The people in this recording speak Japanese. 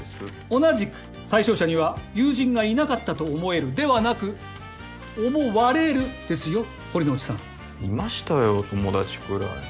同じく「対象者には友人がいなかったと思える」ではなく「思われる」ですよ堀之内さん。いましたよ友達くらい。